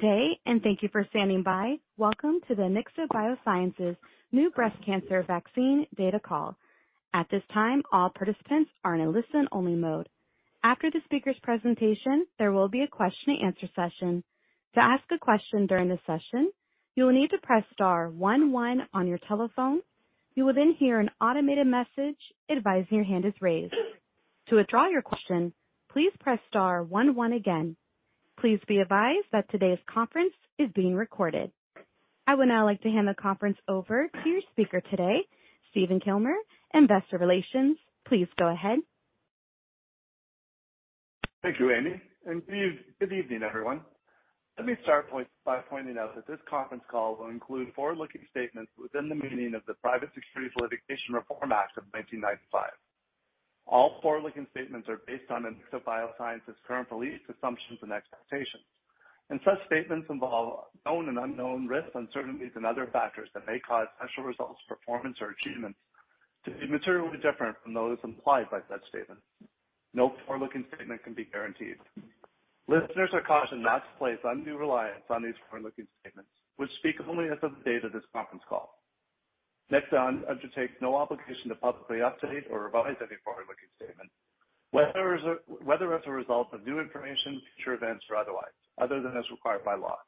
Good day, and thank you for standing by. Welcome to the Anixa Biosciences new breast cancer vaccine data call. At this time, all participants are in a listen-only mode. After the speaker's presentation, there will be a question-and-answer session. To ask a question during the session, you will need to press star one one on your telephone. You will then hear an automated message advising your hand is raised. To withdraw your question, please press star one one again. Please be advised that today's conference is being recorded. I would now like to hand the conference over to your speaker today, Stephen Kilmer, Investor Relations. Please go ahead. Thank you, Amy. And good evening, everyone. Let me start by pointing out that this conference call will include forward-looking statements within the meaning of the Private Securities Litigation Reform Act of 1995. All forward-looking statements are based on Anixa Biosciences' current beliefs, assumptions, and expectations. And such statements involve known and unknown risks, uncertainties, and other factors that may cause actual results, performance, or achievements to be materially different from those implied by such statements. No forward-looking statement can be guaranteed. Listeners are cautioned not to place undue reliance on these forward-looking statements, which speak only as of the date of this conference call. Next, I undertake no obligation to publicly update or revise any forward-looking statement, whether as a result of new information, future events, or otherwise, other than as required by law.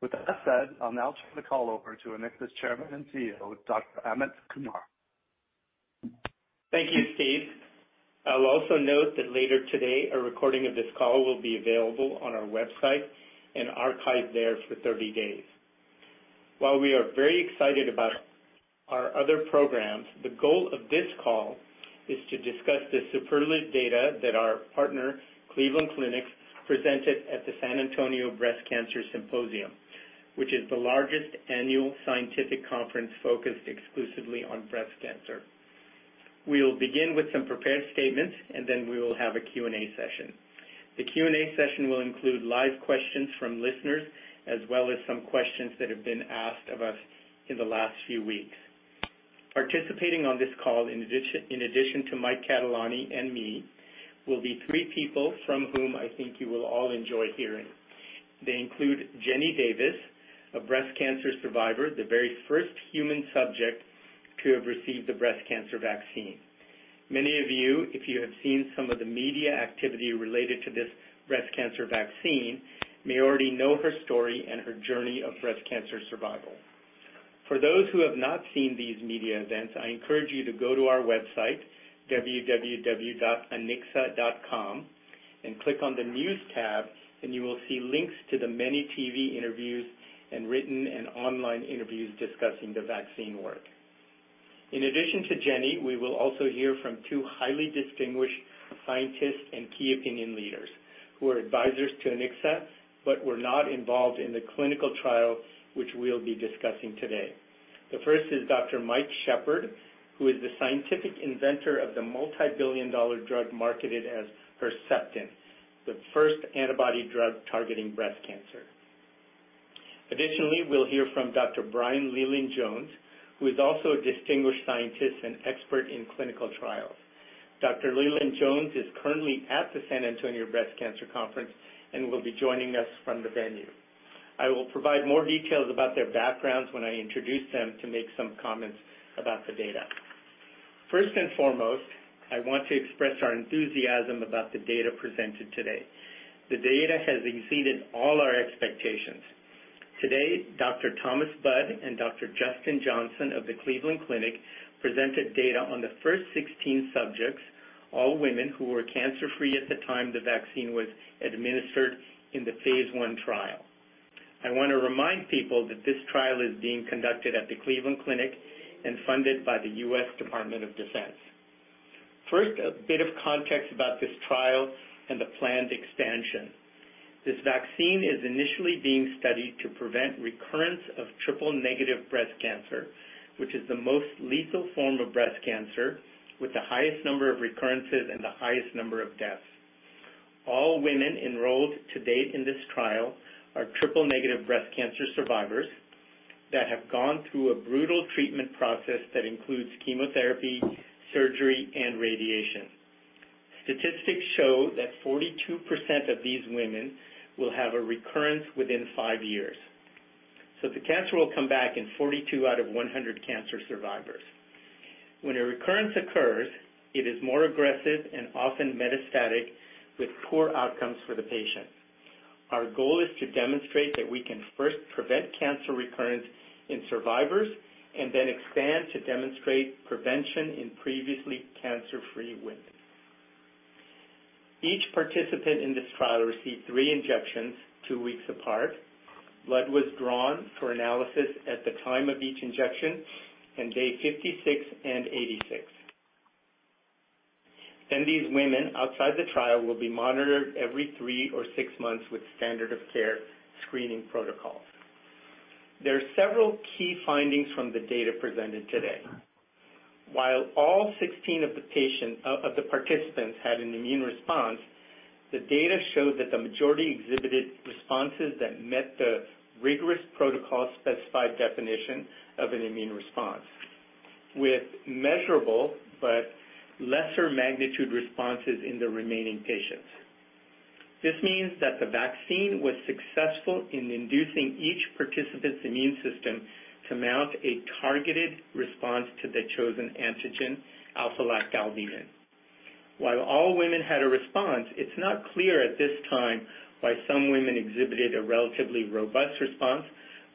With that said, I'll now turn the call over to Anixa's Chairman and CEO, Dr. Amit Kumar. Thank you, Steve. I'll also note that later today, a recording of this call will be available on our website and archived there for 30 days. While we are very excited about our other programs, the goal of this call is to discuss the superlative data that our partner, Cleveland Clinic, presented at the San Antonio Breast Cancer Symposium, which is the largest annual scientific conference focused exclusively on breast cancer. We'll begin with some prepared statements, and then we will have a Q&A session. The Q&A session will include live questions from listeners, as well as some questions that have been asked of us in the last few weeks. Participating on this call, in addition to Mike Catelani and me, will be three people from whom I think you will all enjoy hearing. They include Jenny Davis, a breast cancer survivor, the very first human subject to have received the breast cancer vaccine. Many of you, if you have seen some of the media activity related to this breast cancer vaccine, may already know her story and her journey of breast cancer survival. For those who have not seen these media events, I encourage you to go to our website, www.anixa.com, and click on the News tab, and you will see links to the many TV interviews and written and online interviews discussing the vaccine work. In addition to Jenny, we will also hear from two highly distinguished scientists and key opinion leaders who are advisors to Anixa but were not involved in the clinical trial, which we'll be discussing today. The first is Dr. Mike Shepard, who is the scientific inventor of the multi-billion dollar drug marketed as Herceptin, the first antibody drug targeting breast cancer. Additionally, we'll hear from Dr. Brian Leyland-Jones, who is also a distinguished scientist and expert in clinical trials. Dr. Leyland-Jones is currently at the San Antonio Breast Cancer Conference and will be joining us from the venue. I will provide more details about their backgrounds when I introduce them to make some comments about the data. First and foremost, I want to express our enthusiasm about the data presented today. The data has exceeded all our expectations. Today, Dr. Thomas Budd and Dr. Justin Johnson of the Cleveland Clinic presented data on the first 16 subjects, all women who were cancer-free at the time the vaccine was administered in the Phase I trial. I want to remind people that this trial is being conducted at the Cleveland Clinic and funded by the U.S. Department of Defense. First, a bit of context about this trial and the planned expansion. This vaccine is initially being studied to prevent recurrence of triple-negative breast cancer, which is the most lethal form of breast cancer, with the highest number of recurrences and the highest number of deaths. All women enrolled to date in this trial are triple-negative breast cancer survivors that have gone through a brutal treatment process that includes chemotherapy, surgery, and radiation. Statistics show that 42% of these women will have a recurrence within five years. So the cancer will come back in 42 out of 100 cancer survivors. When a recurrence occurs, it is more aggressive and often metastatic, with poor outcomes for the patient. Our goal is to demonstrate that we can first prevent cancer recurrence in survivors and then expand to demonstrate prevention in previously cancer-free women. Each participant in this trial received three injections two weeks apart. Blood was drawn for analysis at the time of each injection on day 56 and 86. Then these women outside the trial will be monitored every three or six months with standard of care screening protocols. There are several key findings from the data presented today. While all 16 of the participants had an immune response, the data showed that the majority exhibited responses that met the rigorous protocol-specified definition of an immune response, with measurable but lesser magnitude responses in the remaining patients. This means that the vaccine was successful in inducing each participant's immune system to mount a targeted response to the chosen antigen, alpha-lactalbumin. While all women had a response, it's not clear at this time why some women exhibited a relatively robust response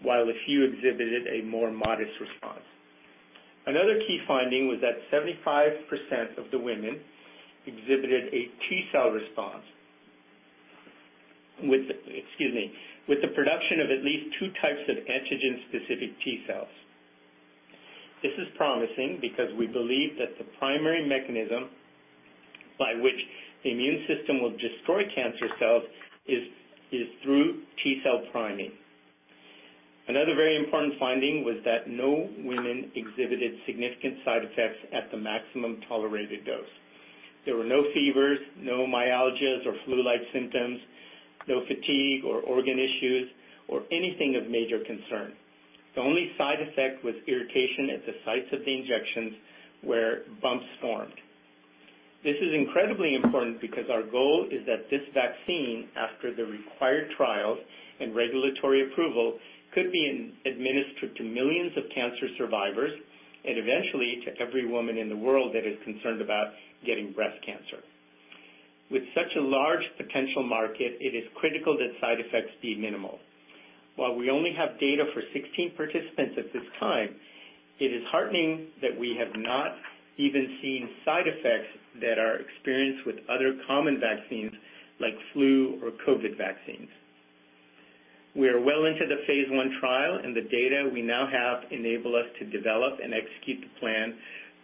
while a few exhibited a more modest response. Another key finding was that 75% of the women exhibited a T-cell response with the production of at least two types of antigen-specific T-cells. This is promising because we believe that the primary mechanism by which the immune system will destroy cancer cells is through T-cell priming. Another very important finding was that no women exhibited significant side effects at the maximum tolerated dose. There were no fevers, no myalgias or flu-like symptoms, no fatigue or organ issues, or anything of major concern. The only side effect was irritation at the sites of the injections where bumps formed. This is incredibly important because our goal is that this vaccine, after the required trials and regulatory approval, could be administered to millions of cancer survivors and eventually to every woman in the world that is concerned about getting breast cancer. With such a large potential market, it is critical that side effects be minimal. While we only have data for 16 participants at this time, it is heartening that we have not even seen side effects that are experienced with other common vaccines like flu or COVID vaccines. We are well into the Phase I trial, and the data we now have enables us to develop and execute the plan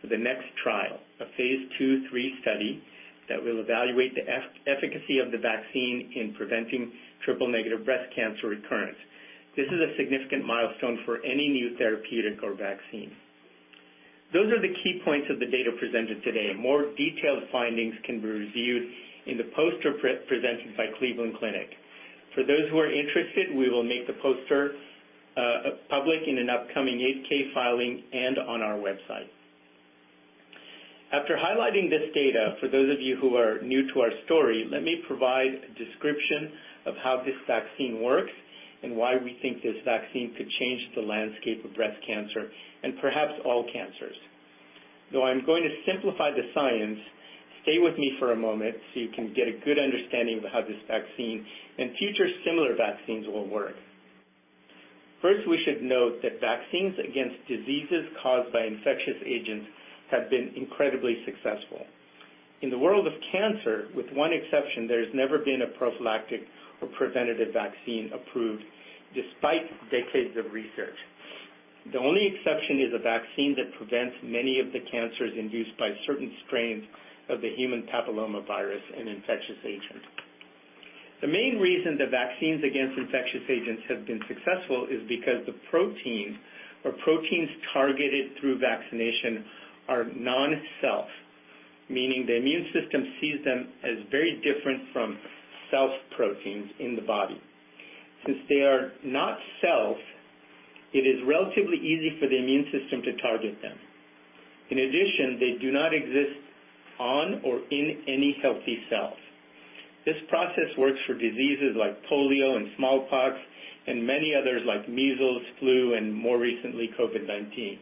for the next trial, a Phase II/III study that will evaluate the efficacy of the vaccine in preventing triple-negative breast cancer recurrence. This is a significant milestone for any new therapeutic or vaccine. Those are the key points of the data presented today. More detailed findings can be reviewed in the poster presented by Cleveland Clinic. For those who are interested, we will make the poster public in an upcoming 8-K filing and on our website. After highlighting this data, for those of you who are new to our story, let me provide a description of how this vaccine works and why we think this vaccine could change the landscape of breast cancer and perhaps all cancers. Though I'm going to simplify the science, stay with me for a moment so you can get a good understanding of how this vaccine and future similar vaccines will work. First, we should note that vaccines against diseases caused by infectious agents have been incredibly successful. In the world of cancer, with one exception, there has never been a prophylactic or preventative vaccine approved despite decades of research. The only exception is a vaccine that prevents many of the cancers induced by certain strains of the human papillomavirus, an infectious agent. The main reason the vaccines against infectious agents have been successful is because the proteins targeted through vaccination are non-self, meaning the immune system sees them as very different from self proteins in the body. Since they are not self, it is relatively easy for the immune system to target them. In addition, they do not exist on or in any healthy cells. This process works for diseases like polio and smallpox and many others like measles, flu, and more recently, COVID-19.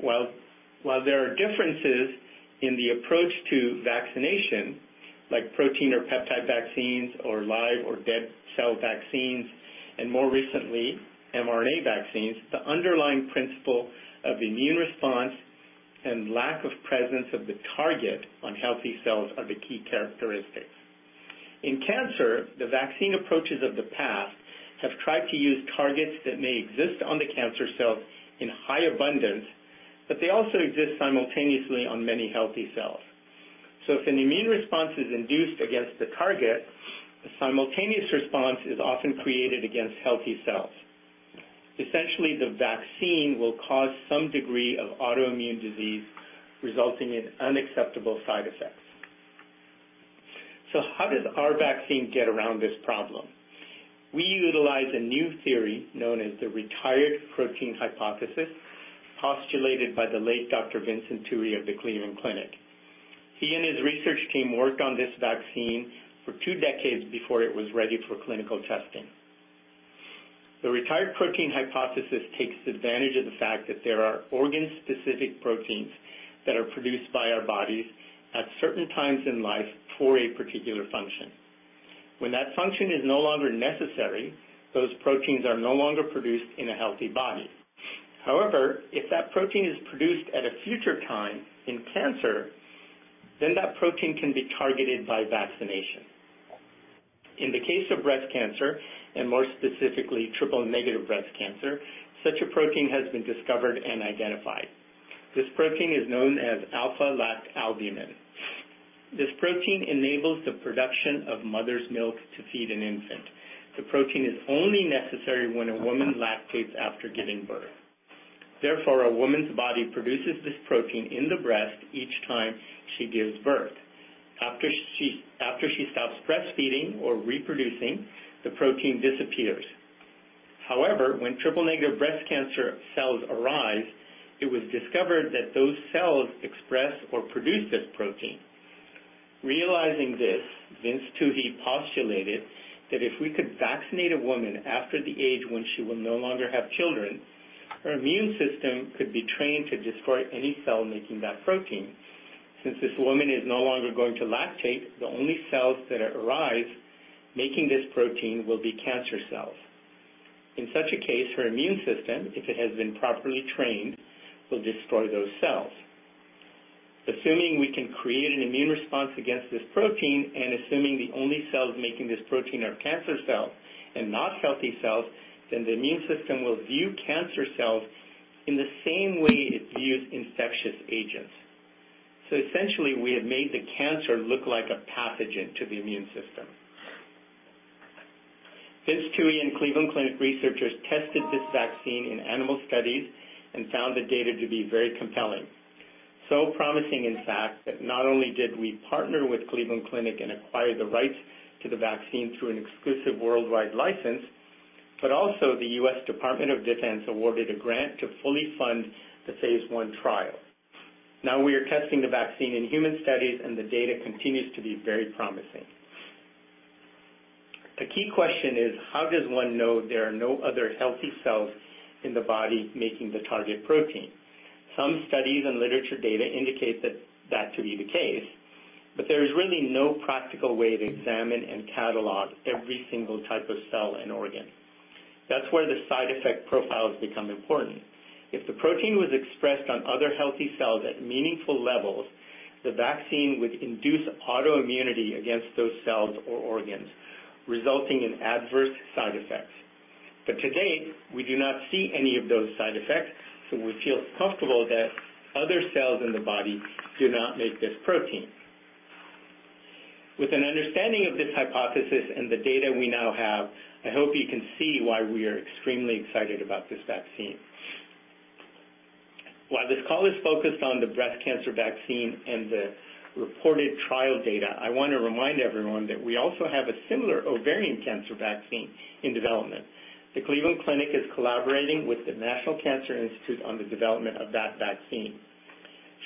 While there are differences in the approach to vaccination, like protein or peptide vaccines or live or dead cell vaccines, and more recently, mRNA vaccines, the underlying principle of immune response and lack of presence of the target on healthy cells are the key characteristics. In cancer, the vaccine approaches of the past have tried to use targets that may exist on the cancer cells in high abundance, but they also exist simultaneously on many healthy cells. So if an immune response is induced against the target, a simultaneous response is often created against healthy cells. Essentially, the vaccine will cause some degree of autoimmune disease, resulting in unacceptable side effects. So how does our vaccine get around this problem? We utilize a new theory known as the retired protein hypothesis, postulated by the late Dr. Vincent Tuohy of the Cleveland Clinic. He and his research team worked on this vaccine for two decades before it was ready for clinical testing. The retired protein hypothesis takes advantage of the fact that there are organ-specific proteins that are produced by our bodies at certain times in life for a particular function. When that function is no longer necessary, those proteins are no longer produced in a healthy body. However, if that protein is produced at a future time in cancer, then that protein can be targeted by vaccination. In the case of breast cancer, and more specifically, triple-negative breast cancer, such a protein has been discovered and identified. This protein is known as alpha-lactalbumin. This protein enables the production of mother's milk to feed an infant. The protein is only necessary when a woman lactates after giving birth. Therefore, a woman's body produces this protein in the breast each time she gives birth. After she stops breastfeeding or reproducing, the protein disappears. However, when triple-negative breast cancer cells arise, it was discovered that those cells express or produce this protein. Realizing this, Vince Tuohy postulated that if we could vaccinate a woman after the age when she will no longer have children, her immune system could be trained to destroy any cell making that protein. Since this woman is no longer going to lactate, the only cells that arise making this protein will be cancer cells. In such a case, her immune system, if it has been properly trained, will destroy those cells. Assuming we can create an immune response against this protein and assuming the only cells making this protein are cancer cells and not healthy cells, then the immune system will view cancer cells in the same way it views infectious agents. Essentially, we have made the cancer look like a pathogen to the immune system. Vince Tuohy and Cleveland Clinic researchers tested this vaccine in animal studies and found the data to be very compelling. So promising, in fact, that not only did we partner with Cleveland Clinic and acquire the rights to the vaccine through an exclusive worldwide license, but also the U.S. Department of Defense awarded a grant to fully fund the Phase I trial. Now we are testing the vaccine in human studies, and the data continues to be very promising. A key question is, how does one know there are no other healthy cells in the body making the target protein? Some studies and literature data indicate that to be the case, but there is really no practical way to examine and catalog every single type of cell and organ. That's where the side effect profiles become important. If the protein was expressed on other healthy cells at meaningful levels, the vaccine would induce autoimmunity against those cells or organs, resulting in adverse side effects. But to date, we do not see any of those side effects, so we feel comfortable that other cells in the body do not make this protein. With an understanding of this hypothesis and the data we now have, I hope you can see why we are extremely excited about this vaccine. While this call is focused on the breast cancer vaccine and the reported trial data, I want to remind everyone that we also have a similar ovarian cancer vaccine in development. The Cleveland Clinic is collaborating with the National Cancer Institute on the development of that vaccine.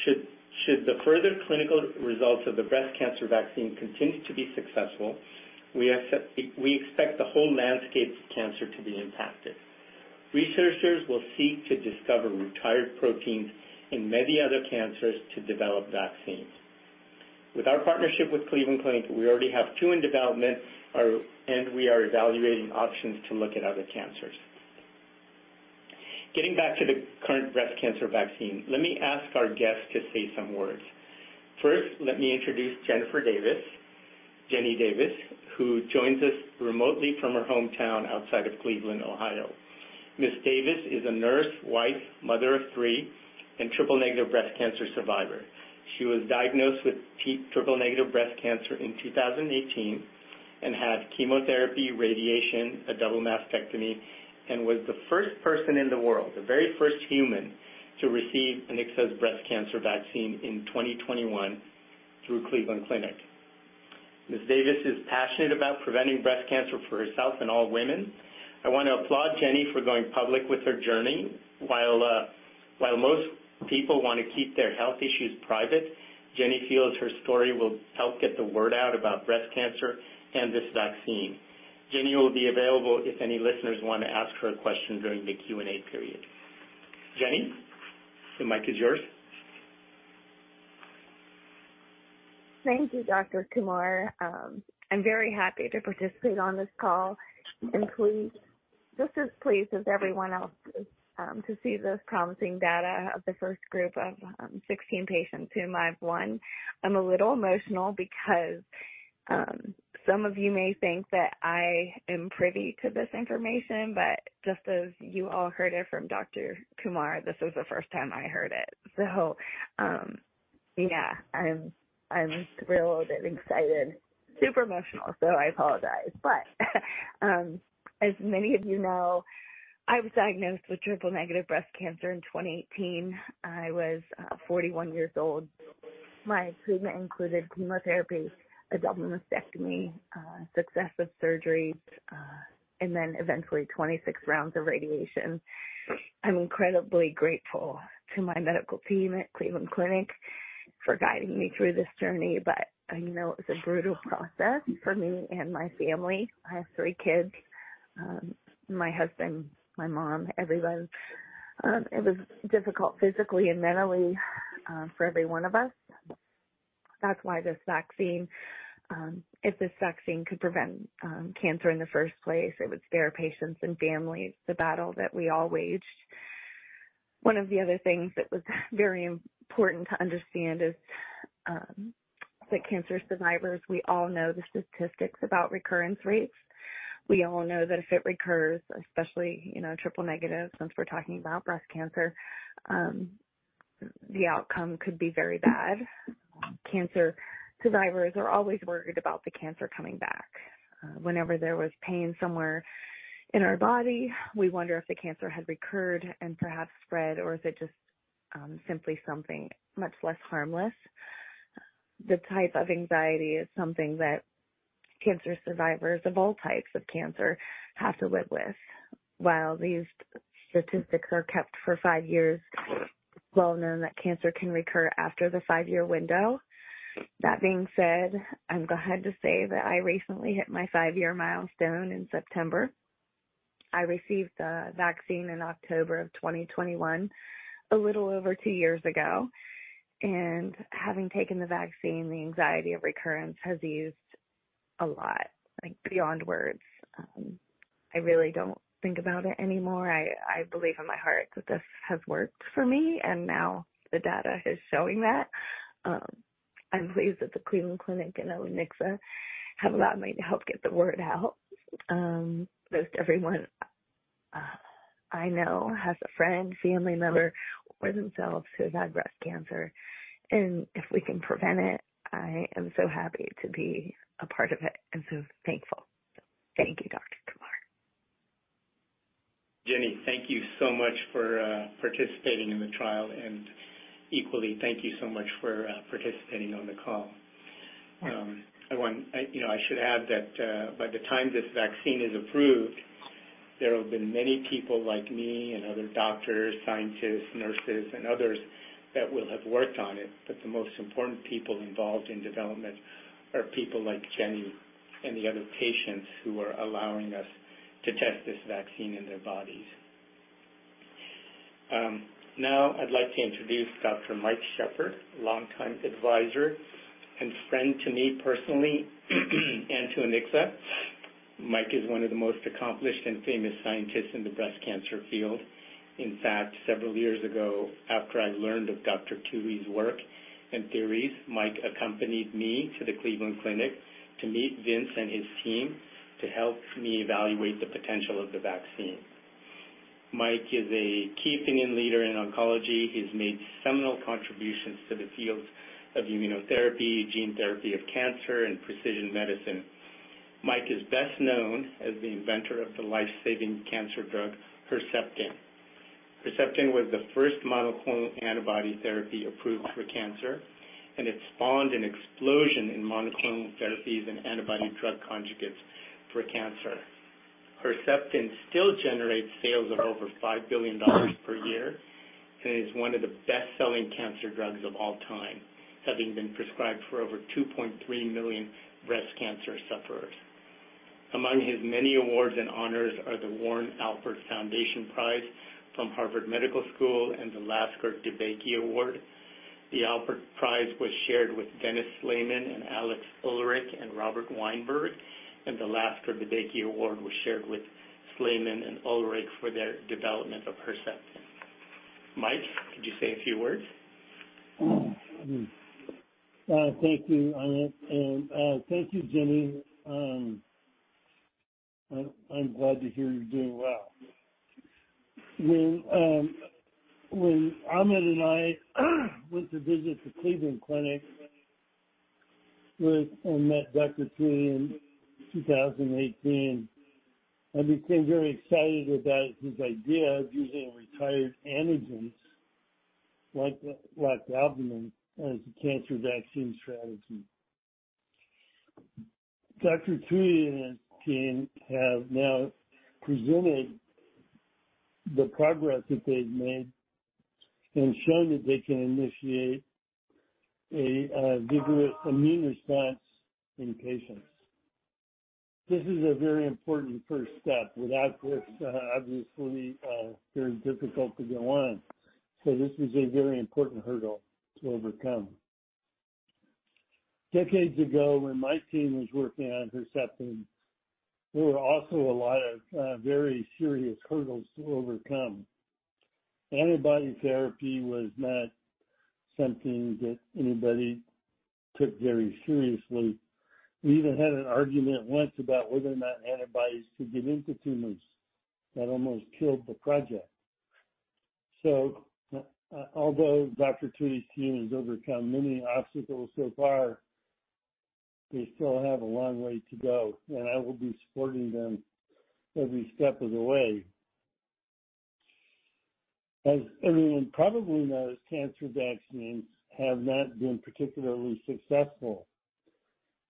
Should the further clinical results of the breast cancer vaccine continue to be successful, we expect the whole landscape of cancer to be impacted. Researchers will seek to discover retired proteins in many other cancers to develop vaccines. With our partnership with Cleveland Clinic, we already have two in development, and we are evaluating options to look at other cancers. Getting back to the current breast cancer vaccine, let me ask our guests to say some words. First, let me introduce Jennifer Davis, who joins us remotely from her hometown outside of Cleveland, Ohio. Ms. Davis is a nurse, wife, mother of three, and triple-negative breast cancer survivor. She was diagnosed with triple-negative breast cancer in 2018 and had chemotherapy, radiation, a double mastectomy, and was the first person in the world, the very first human, to receive the Anixa breast cancer vaccine in 2021 through Cleveland Clinic. Ms. Davis is passionate about preventing breast cancer for herself and all women. I want to applaud Jenny for going public with her journey. While most people want to keep their health issues private, Jenny feels her story will help get the word out about breast cancer and this vaccine. Jenny will be available if any listeners want to ask her a question during the Q&A period. Jenny, the mic is yours. Thank you, Dr. Kumar. I'm very happy to participate on this call. And I'm just as pleased as everyone else is to see this promising data of the first group of 16 patients who we want. I'm a little emotional because some of you may think that I am privy to this information, but just as you all heard it from Dr. Kumar, this was the first time I heard it. So yeah, I'm thrilled and excited. Super emotional, so I apologize. But as many of you know, I was diagnosed with triple-negative breast cancer in 2018. I was 41 years old. My treatment included chemotherapy, a double mastectomy, successive surgeries, and then eventually 26 rounds of radiation. I'm incredibly grateful to my medical team at Cleveland Clinic for guiding me through this journey, but it was a brutal process for me and my family. I have three kids: my husband, my mom, everyone. It was difficult physically and mentally for every one of us. That's why this vaccine, if this vaccine could prevent cancer in the first place, it would spare patients and families the battle that we all waged. One of the other things that was very important to understand is that cancer survivors, we all know the statistics about recurrence rates. We all know that if it recurs, especially triple-negative, since we're talking about breast cancer, the outcome could be very bad. Cancer survivors are always worried about the cancer coming back. Whenever there was pain somewhere in our body, we wonder if the cancer had recurred and perhaps spread, or is it just simply something much less harmless. The type of anxiety is something that cancer survivors of all types of cancer have to live with. While these statistics are kept for five years, it's well known that cancer can recur after the five-year window. That being said, I'm glad to say that I recently hit my five-year milestone in September. I received the vaccine in October of 2021, a little over two years ago. And having taken the vaccine, the anxiety of recurrence has eased a lot, beyond words. I really don't think about it anymore. I believe in my heart that this has worked for me, and now the data is showing that. I'm pleased that the Cleveland Clinic and Anixa have allowed me to help get the word out. Most everyone I know has a friend, family member, or themselves who have had breast cancer. And if we can prevent it, I am so happy to be a part of it and so thankful. Thank you, Dr. Kumar. Jenny, thank you so much for participating in the trial, and equally, thank you so much for participating on the call. I should add that by the time this vaccine is approved, there will have been many people like me and other doctors, scientists, nurses, and others that will have worked on it, but the most important people involved in development are people like Jenny and the other patients who are allowing us to test this vaccine in their bodies. Now, I'd like to introduce Dr. Mike Shepard, longtime advisor and friend to me personally and to Anixa. Mike is one of the most accomplished and famous scientists in the breast cancer field. In fact, several years ago, after I learned of Dr. Tuohy's work and theories, Mike accompanied me to the Cleveland Clinic to meet Vince and his team to help me evaluate the potential of the vaccine. Mike is a key opinion leader in oncology. He's made seminal contributions to the fields of immunotherapy, gene therapy of cancer, and precision medicine. Mike is best known as the inventor of the lifesaving cancer drug Herceptin. Herceptin was the first monoclonal antibody therapy approved for cancer, and it spawned an explosion in monoclonal therapies and antibody drug conjugates for cancer. Herceptin still generates sales of over $5 billion per year and is one of the best-selling cancer drugs of all time, having been prescribed for over 2.3 million breast cancer sufferers. Among his many awards and honors are the Warren Alpert Foundation Prize from Harvard Medical School and the Lasker-DeBakey Award. The Alpert Prize was shared with Dennis Slamon and Axel Ullrich and Robert Weinberg, and the Lasker-DeBakey Award was shared with Slamon and Ullrich for their development of Herceptin. Mike, could you say a few words? Thank you, Amit, and thank you, Jenny. I'm glad to hear you're doing well. When Amit and I went to visit the Cleveland Clinic and met Dr. Tuohy in 2018, I became very excited about his idea of using retired antigens like lactalbumin as a cancer vaccine strategy. Dr. Tuohy and his team have now presented the progress that they've made and shown that they can initiate a vigorous immune response in patients. This is a very important first step. Without this, obviously, it's very difficult to go on, so this was a very important hurdle to overcome. Decades ago, when my team was working on Herceptin, there were also a lot of very serious hurdles to overcome. Antibody therapy was not something that anybody took very seriously. We even had an argument once about whether or not antibodies could get into tumors. That almost killed the project. So although Dr. Tuohy's team has overcome many obstacles so far, they still have a long way to go, and I will be supporting them every step of the way. As everyone probably knows, cancer vaccines have not been particularly successful.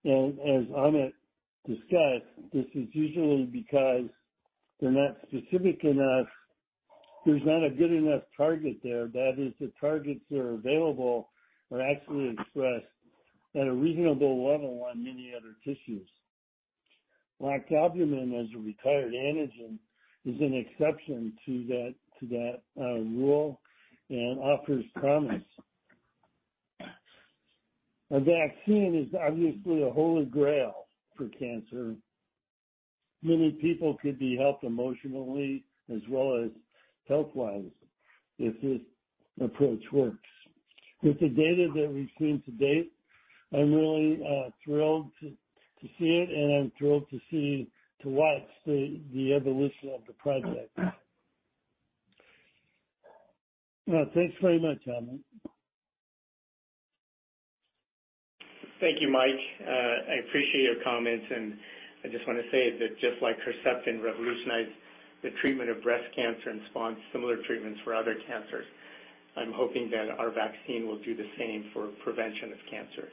And as Amit discussed, this is usually because they're not specific enough. There's not a good enough target there. That is, the targets that are available are actually expressed at a reasonable level on many other tissues. Lactalbumin, as a retired antigen, is an exception to that rule and offers promise. A vaccine is obviously a holy grail for cancer. Many people could be helped emotionally as well as health-wise if this approach works. With the data that we've seen to date, I'm really thrilled to see it, and I'm thrilled to watch the evolution of the project. Thanks very much, Amit. Thank you, Mike. I appreciate your comments, and I just want to say that just like Herceptin revolutionized the treatment of breast cancer and spawned similar treatments for other cancers, I'm hoping that our vaccine will do the same for prevention of cancer.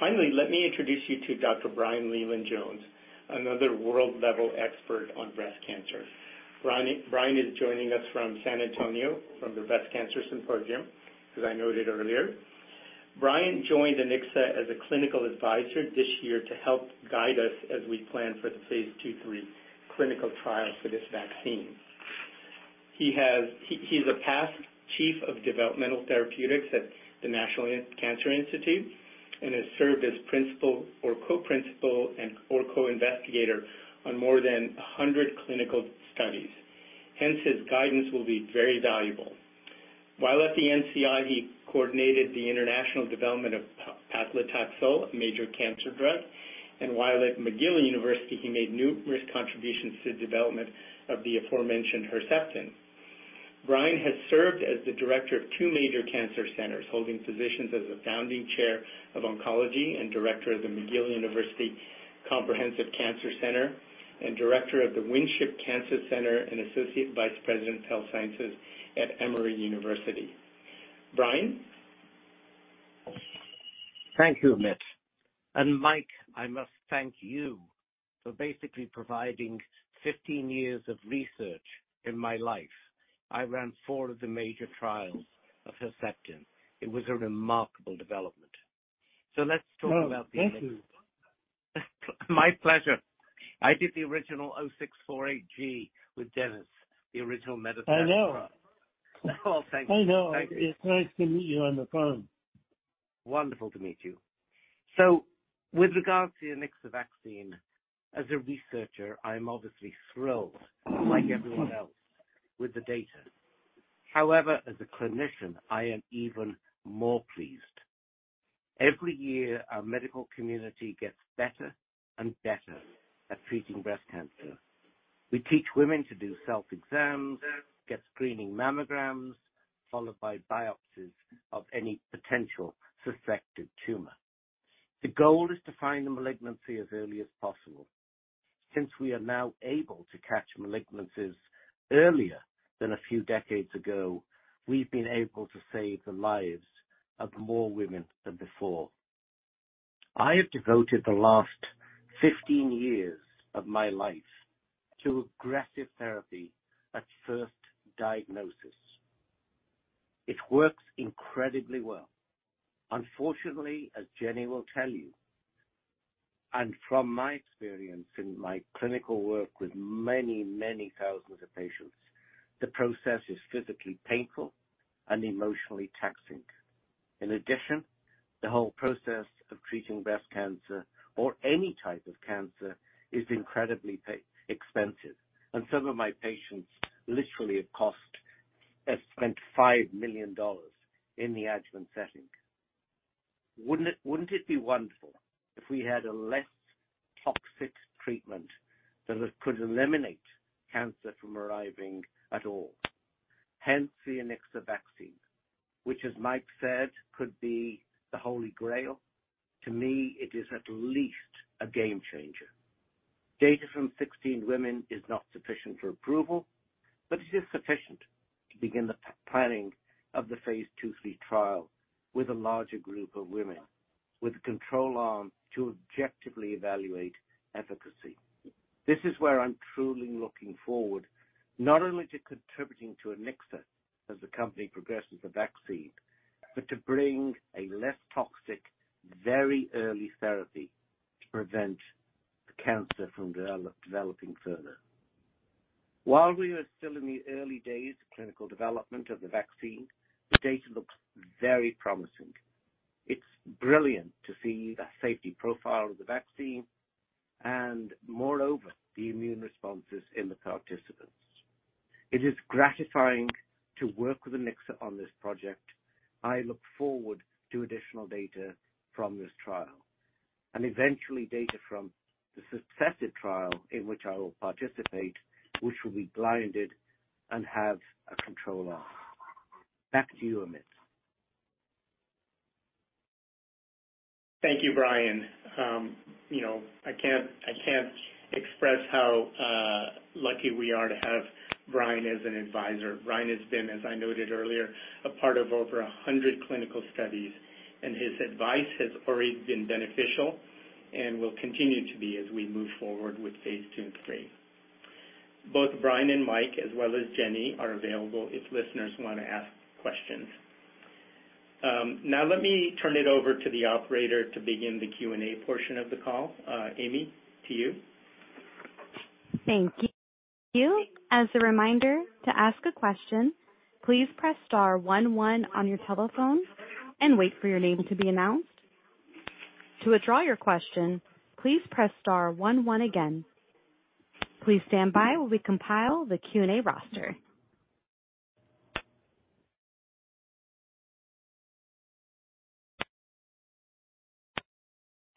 Finally, let me introduce you to Dr. Brian Leyland-Jones, another world-level expert on breast cancer. Brian is joining us from San Antonio from the Breast Cancer Symposium, as I noted earlier. Brian joined Anixa as a clinical advisor this year to help guide us as we plan for the Phase II/III clinical trial for this vaccine. He's a past chief of developmental therapeutics at the National Cancer Institute and has served as principal or co-principal and/or co-investigator on more than 100 clinical studies. Hence, his guidance will be very valuable. While at the NCI, he coordinated the international development of paclitaxel, a major cancer drug, and while at McGill University, he made numerous contributions to the development of the aforementioned Herceptin. Brian has served as the director of two major cancer centers, holding positions as a founding chair of oncology and director of the McGill University Comprehensive Cancer Center and director of the Winship Cancer Center and associate vice president of health sciences at Emory University. Brian? Thank you, Amit. And Mike, I must thank you for basically providing 15 years of research in my life. I ran four of the major trials of Herceptin. It was a remarkable development. So let's talk about the initial. Thank you. My pleasure. I did the original 0648G with Dennis, the original medicine trial. I know. Thank you. I know. It's nice to meet you on the phone. Wonderful to meet you. So with regards to the Anixa vaccine, as a researcher, I am obviously thrilled, like everyone else, with the data. However, as a clinician, I am even more pleased. Every year, our medical community gets better and better at treating breast cancer. We teach women to do self-exams, get screening mammograms, followed by biopsies of any potential suspected tumor. The goal is to find the malignancy as early as possible. Since we are now able to catch malignancies earlier than a few decades ago, we've been able to save the lives of more women than before. I have devoted the last 15 years of my life to aggressive therapy at first diagnosis. It works incredibly well. Unfortunately, as Jenny will tell you, and from my experience in my clinical work with many, many thousands of patients, the process is physically painful and emotionally taxing. In addition, the whole process of treating breast cancer or any type of cancer is incredibly expensive. And some of my patients literally have spent $5 million in the adjuvant setting. Wouldn't it be wonderful if we had a less toxic treatment that could eliminate cancer from arriving at all? Hence, the Anixa vaccine, which, as Mike said, could be the holy grail. To me, it is at least a game changer. Data from 16 women is not sufficient for approval, but it is sufficient to begin the planning of the Phase II/III trial with a larger group of women, with a control arm to objectively evaluate efficacy. This is where I'm truly looking forward, not only to contributing to Anixa as the company progresses the vaccine, but to bring a less toxic, very early therapy to prevent cancer from developing further. While we are still in the early days of clinical development of the vaccine, the data looks very promising. It's brilliant to see the safety profile of the vaccine and, moreover, the immune responses in the participants. It is gratifying to work with Anixa on this project. I look forward to additional data from this trial and eventually data from the successive trial in which I will participate, which will be blinded and have a control arm. Back to you, Amit. Thank you, Brian. I can't express how lucky we are to have Brian as an advisor. Brian has been, as I noted earlier, a part of over 100 clinical studies, and his advice has already been beneficial and will continue to be as we move forward with Phase II/III. Both Brian and Mike, as well as Jenny, are available if listeners want to ask questions. Now, let me turn it over to the operator to begin the Q&A portion of the call. Amy, to you. Thank you. As a reminder, to ask a question, please press star one one on your telephone and wait for your name to be announced. To withdraw your question, please press star one one again. Please stand by while we compile the Q&A roster.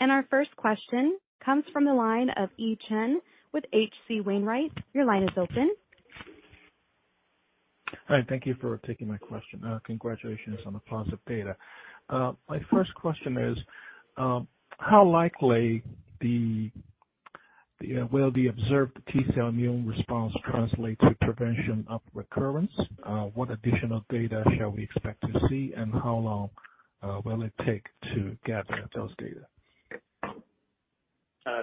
And our first question comes from the line of Yi Chen with H.C. Wainwright. Your line is open. Hi. Thank you for taking my question. Congratulations on the positive data. My first question is, how likely will the observed T-cell immune response translate to prevention of recurrence? What additional data shall we expect to see, and how long will it take to gather those data?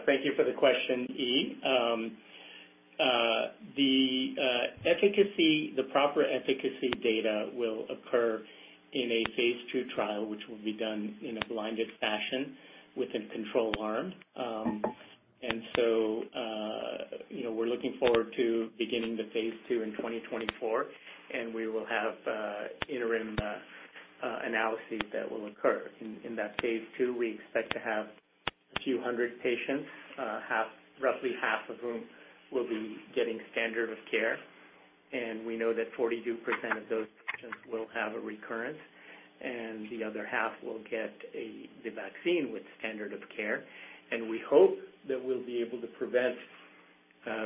Thank you for the question, Yi. The proper efficacy data will occur in a Phase II trial, which will be done in a blinded fashion with a control arm, and so we're looking forward to beginning the Phase II in 2024, and we will have interim analyses that will occur. In that Phase II, we expect to have a few hundred patients, roughly half of whom will be getting standard of care, and we know that 42% of those patients will have a recurrence, and the other half will get the vaccine with standard of care, and we hope that we'll be able to prevent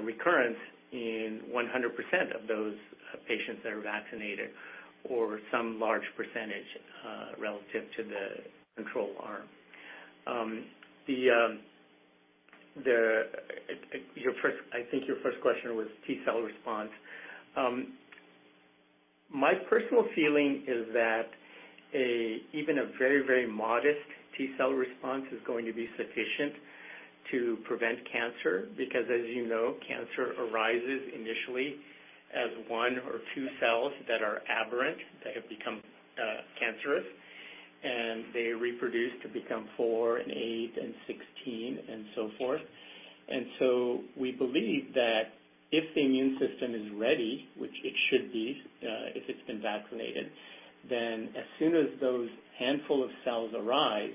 recurrence in 100% of those patients that are vaccinated or some large percentage relative to the control arm. I think your first question was T-cell response. My personal feeling is that even a very, very modest T-cell response is going to be sufficient to prevent cancer because, as you know, cancer arises initially as one or two cells that are aberrant, that have become cancerous, and they reproduce to become four and eight and 16 and so forth. And so we believe that if the immune system is ready, which it should be if it's been vaccinated, then as soon as those handful of cells arise,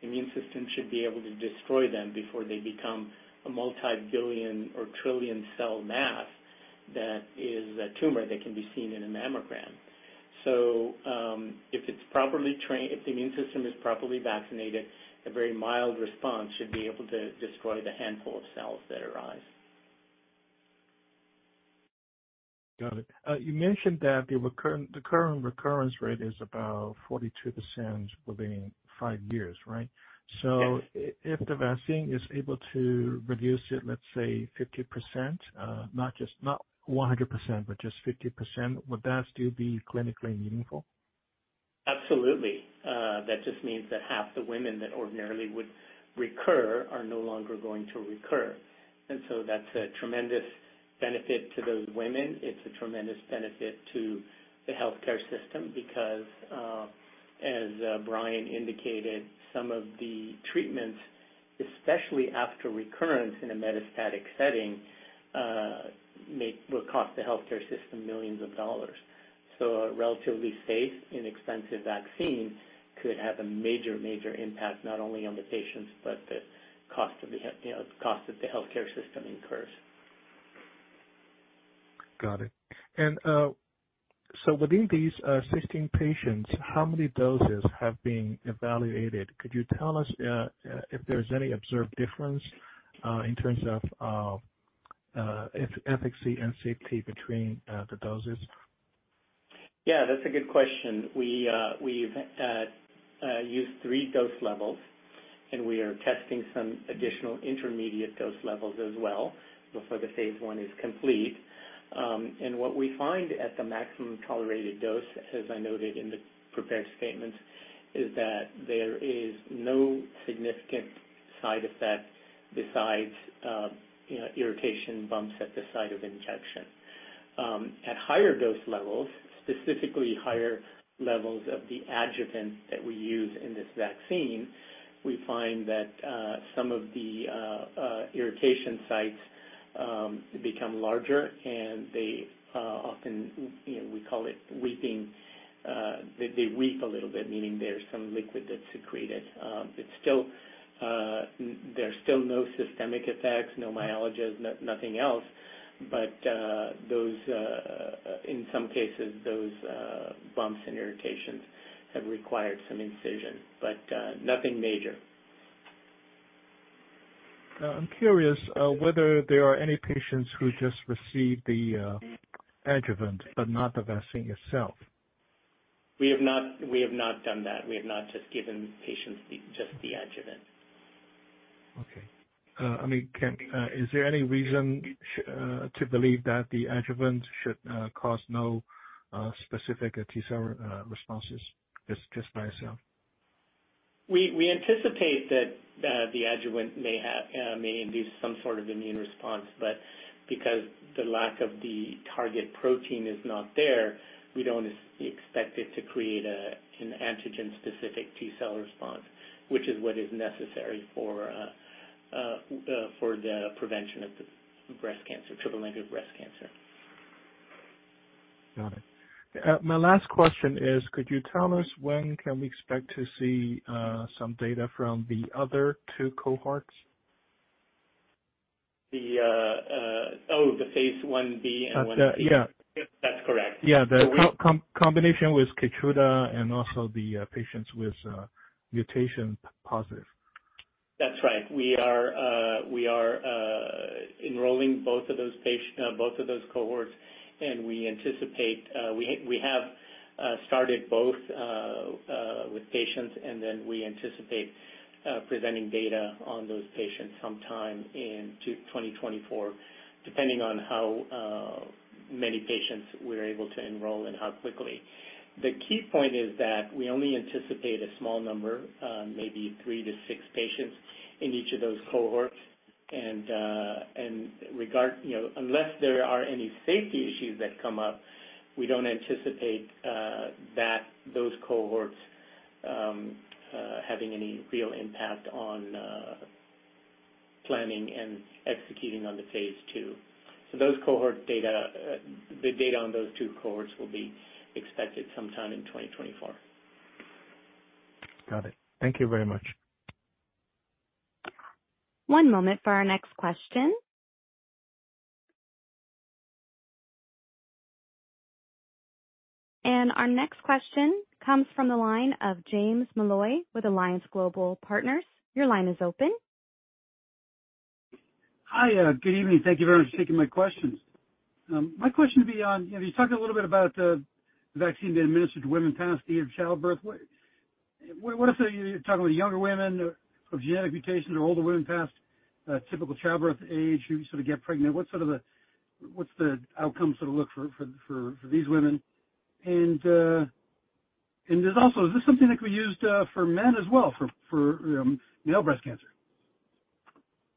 the immune system should be able to destroy them before they become a multibillion or trillion cell mass that is a tumor that can be seen in a mammogram. So if the immune system is properly vaccinated, a very mild response should be able to destroy the handful of cells that arise. Got it. You mentioned that the current recurrence rate is about 42% within five years, right? So if the vaccine is able to reduce it, let's say, 50%, not 100%, but just 50%, would that still be clinically meaningful? Absolutely. That just means that half the women that ordinarily would recur are no longer going to recur. And so that's a tremendous benefit to those women. It's a tremendous benefit to the healthcare system because, as Brian indicated, some of the treatments, especially after recurrence in a metastatic setting, will cost the healthcare system millions of dollars. So a relatively safe, inexpensive vaccine could have a major, major impact not only on the patients, but the cost of the healthcare system incurs. Got it. And so within these 16 patients, how many doses have been evaluated? Could you tell us if there's any observed difference in terms of efficacy and safety between the doses? Yeah, that's a good question. We've used three dose levels, and we are testing some additional intermediate dose levels as well before the Phase I is complete. And what we find at the maximum tolerated dose, as I noted in the prepared statements, is that there is no significant side effect besides irritation bumps at the site of injection. At higher dose levels, specifically higher levels of the adjuvant that we use in this vaccine, we find that some of the irritation sites become larger, and they often, we call it weeping. They weep a little bit, meaning there's some liquid that's secreted. There's still no systemic effects, no myalgias, nothing else, but in some cases, those bumps and irritations have required some incision, but nothing major. I'm curious whether there are any patients who just received the adjuvant but not the vaccine itself? We have not done that. We have not just given patients the adjuvant. Okay. I mean, is there any reason to believe that the adjuvant should cause no specific T-cell responses just by itself? We anticipate that the adjuvant may induce some sort of immune response, but because the lack of the target protein is not there, we don't expect it to create an antigen-specific T-cell response, which is what is necessary for the prevention of triple-negative breast cancer. Got it. My last question is, could you tell us when can we expect to see some data from the other two cohorts? Oh, the Phase II-B and I-C? Yeah. That's correct. Yeah, the combination with Keytruda and also the patients with mutation positive. That's right. We are enrolling both of those cohorts, and we anticipate we have started both with patients, and then we anticipate presenting data on those patients sometime in 2024, depending on how many patients we're able to enroll and how quickly. The key point is that we only anticipate a small number, maybe three to six patients in each of those cohorts, and unless there are any safety issues that come up, we don't anticipate those cohorts having any real impact on planning and executing on the Phase II, so the data on those two cohorts will be expected sometime in 2024. Got it. Thank you very much. One moment for our next question, and our next question comes from the line of James Molloy with Alliance Global Partners. Your line is open. Hi. Good evening. Thank you very much for taking my questions. My question would be on, have you talked a little bit about the vaccine being administered to women past the age of childbirth? What if you're talking about younger women of genetic mutations or older women past typical childbirth age who sort of get pregnant? What's the outcome sort of look for these women? And is this something that can be used for men as well, for male breast cancer?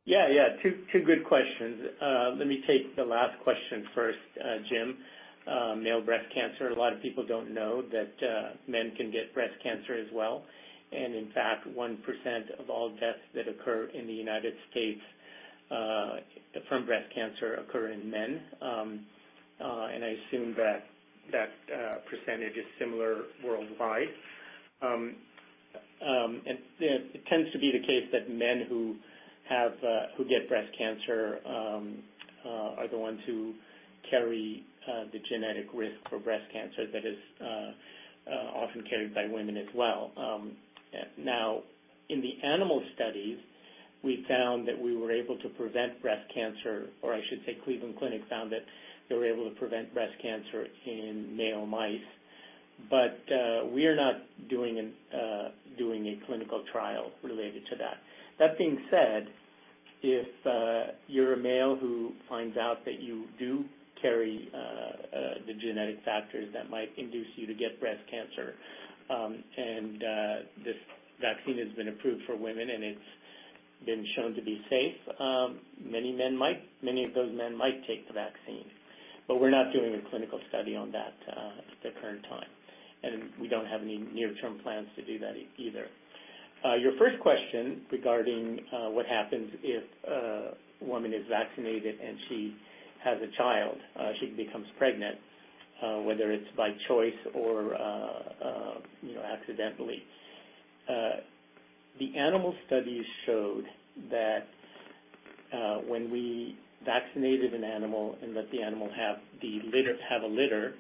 Yeah, yeah. Two good questions. Let me take the last question first, Jim. Male breast cancer, a lot of people don't know that men can get breast cancer as well. And in fact, 1% of all deaths that occur in the United States from breast cancer occur in men. And I assume that percentage is similar worldwide. And it tends to be the case that men who get breast cancer are the ones who carry the genetic risk for breast cancer that is often carried by women as well. Now, in the animal studies, we found that we were able to prevent breast cancer, or I should say Cleveland Clinic found that they were able to prevent breast cancer in male mice. But we are not doing a clinical trial related to that. That being said, if you're a male who finds out that you do carry the genetic factors that might induce you to get breast cancer, and this vaccine has been approved for women and it's been shown to be safe, many of those men might take the vaccine. But we're not doing a clinical study on that at the current time. And we don't have any near-term plans to do that either. Your first question regarding what happens if a woman is vaccinated and she has a child, she becomes pregnant, whether it's by choice or accidentally. The animal studies showed that when we vaccinated an animal and let the animal have a litter,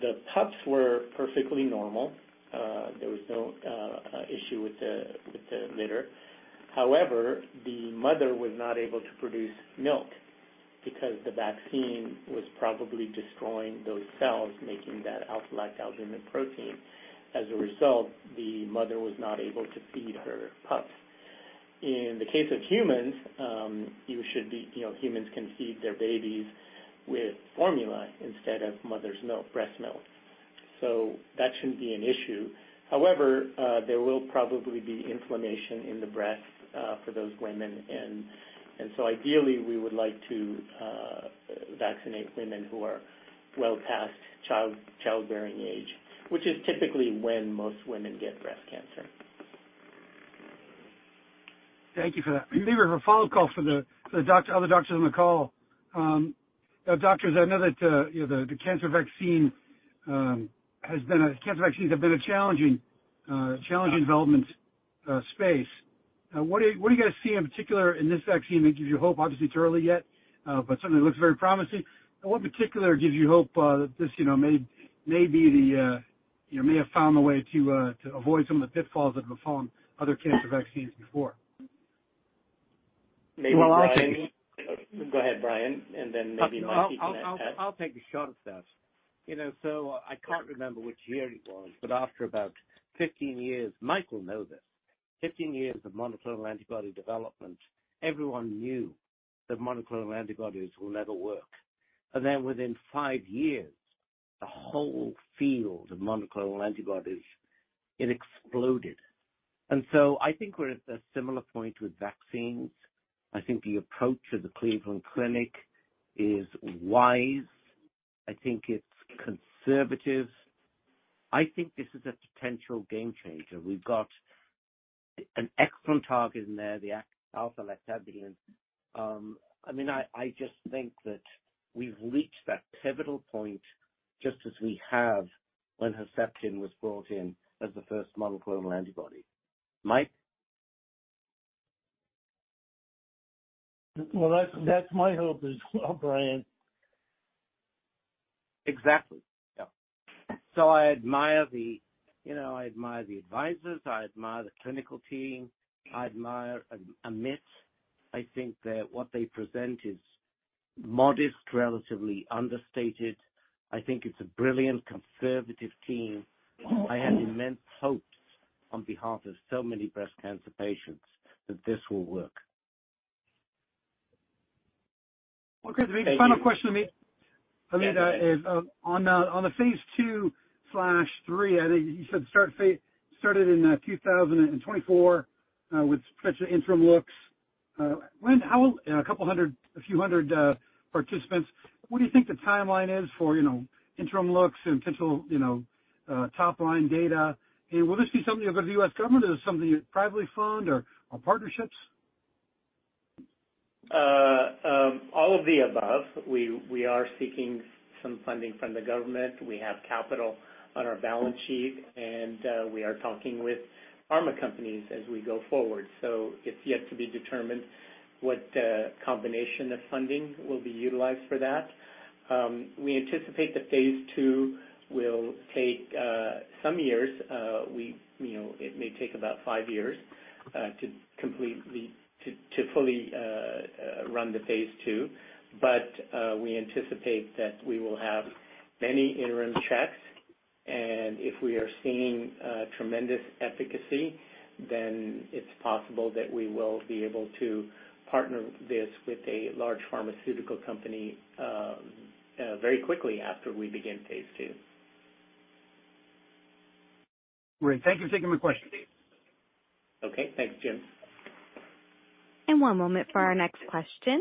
the pups were perfectly normal. There was no issue with the litter. However, the mother was not able to produce milk because the vaccine was probably destroying those cells, making that alpha-lactalbumin protein. As a result, the mother was not able to feed her pups. In the case of humans, humans can feed their babies with formula instead of mother's breast milk. So that shouldn't be an issue. However, there will probably be inflammation in the breasts for those women. And so ideally, we would like to vaccinate women who are well past childbearing age, which is typically when most women get breast cancer. Thank you for that. Leave a follow-up call for the other doctors on the call. Doctors, I know that the cancer vaccine has been a challenging development space. What do you guys see in particular in this vaccine that gives you hope? Obviously, it's early yet, but certainly looks very promising. What in particular gives you hope that this may have found a way to avoid some of the pitfalls that have been found in other cancer vaccines before? Maybe Mikey. Go ahead, Brian. Then maybe Mikey can answer. I'll take a shot at that. So I can't remember which year it was, but after about 15 years, Mike will know this. 15 years of monoclonal antibody development, everyone knew that monoclonal antibodies will never work. And then within five years, the whole field of monoclonal antibodies, it exploded. And so I think we're at a similar point with vaccines. I think the approach of the Cleveland Clinic is wise. I think it's conservative. I think this is a potential game changer. We've got an excellent target in there, the alpha-lactalbumin. I mean, I just think that we've reached that pivotal point just as we have when Herceptin was brought in as the first monoclonal antibody. Mike? That's my hope as well, Brian. Exactly. Yeah. So I admire the advisors. I admire the clinical team. I admire Amit. I think that what they present is modest, relatively understated. I think it's a brilliant conservative team. I have immense hopes on behalf of so many breast cancer patients that this will work. Okay. Maybe final question, Amit. I mean, on the Phase II/III, I think you said started in 2024 with potential interim looks. A couple hundred, a few hundred participants. What do you think the timeline is for interim looks and potential top-line data? And will this be something you'll go to the U.S. government or is this something you're privately funded or partnerships? All of the above. We are seeking some funding from the government. We have capital on our balance sheet, and we are talking with pharma companies as we go forward. So it's yet to be determined what combination of funding will be utilized for that. We anticipate the Phase II will take some years. It may take about five years to fully run the Phase II. But we anticipate that we will have many interim checks. And if we are seeing tremendous efficacy, then it's possible that we will be able to partner this with a large pharmaceutical company very quickly after we begin Phase II. Great. Thank you for taking my question. Okay. Thanks, Jim. One moment for our next question.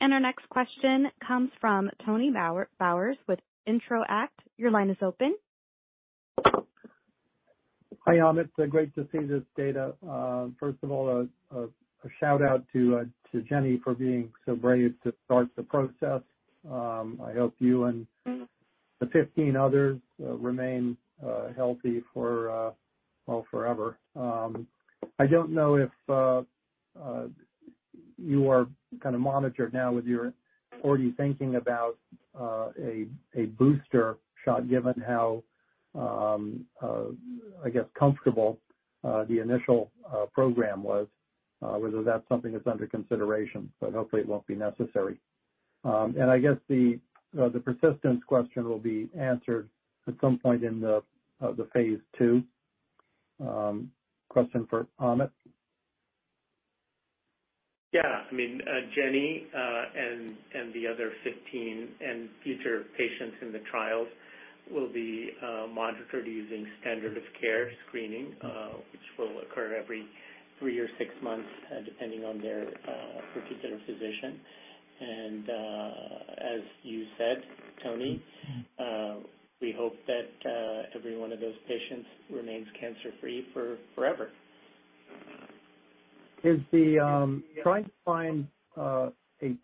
Our next question comes from Tony Bowers with Intro-act. Your line is open. Hi, Amit. Great to see this data. First of all, a shout-out to Jenny for being so brave to start the process. I hope you and the 15 others remain healthy for, well, forever. I don't know if you are kind of monitored now with your already thinking about a booster shot, given how, I guess, comfortable the initial program was, whether that's something that's under consideration. But hopefully, it won't be necessary. And I guess the persistence question will be answered at some point in the Phase II. Question for Amit. Yeah. I mean, Jenny and the other 15 and future patients in the trials will be monitored using standard of care screening, which will occur every three or six months depending on their particular physician, and as you said, Tony, we hope that every one of those patients remains cancer-free forever. As they're trying to find a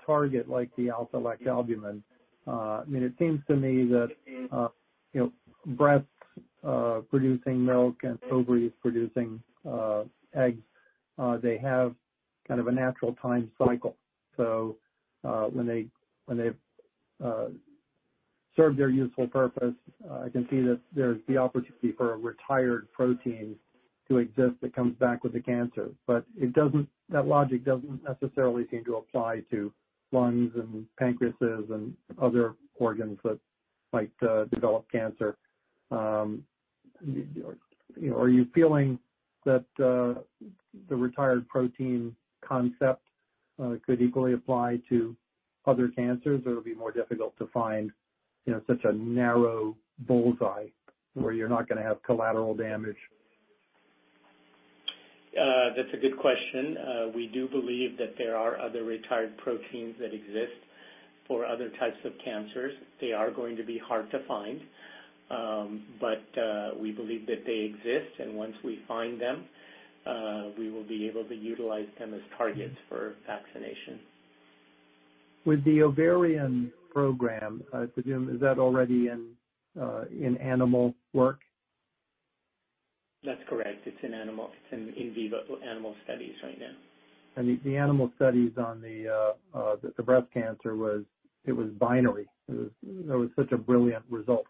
target like the alpha-lactalbumin, I mean, it seems to me that breasts producing milk and ovaries producing eggs, they have kind of a natural time cycle. So when they've served their useful purpose, I can see that there's the opportunity for a retired protein to exist that comes back with the cancer. But that logic doesn't necessarily seem to apply to lungs and pancreases and other organs that might develop cancer. Are you feeling that the retired protein concept could equally apply to other cancers, or it'll be more difficult to find such a narrow bullseye where you're not going to have collateral damage? That's a good question. We do believe that there are other retired proteins that exist for other types of cancers. They are going to be hard to find, but we believe that they exist. And once we find them, we will be able to utilize them as targets for vaccination. With the ovarian program, is that already in animal work? That's correct. It's in vivo animal studies right now. The animal studies on the breast cancer, it was binary. It was such a brilliant result.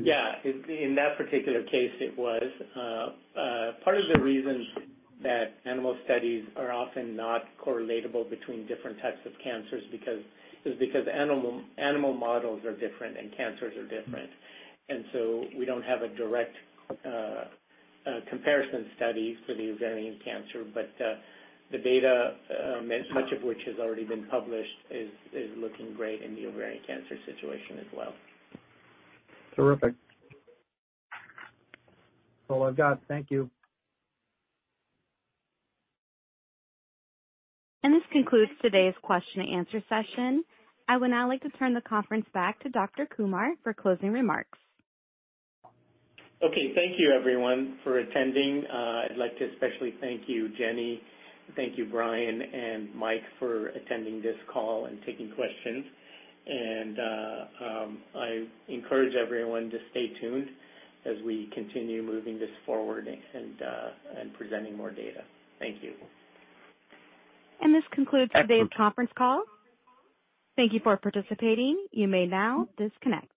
Yeah. In that particular case, it was. Part of the reason that animal studies are often not correlatable between different types of cancers is because animal models are different and cancers are different. And so we don't have a direct comparison study for the ovarian cancer. But the data, much of which has already been published, is looking great in the ovarian cancer situation as well. Terrific. Well, I've got it. Thank you. This concludes today's question-and-answer session. I would now like to turn the conference back to Dr. Kumar for closing remarks. Okay. Thank you, everyone, for attending. I'd like to especially thank you, Jenny. Thank you, Brian and Mike, for attending this call and taking questions, and I encourage everyone to stay tuned as we continue moving this forward and presenting more data. Thank you. This concludes today's conference call. Thank you for participating. You may now disconnect.